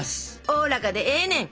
おおらかでええねん！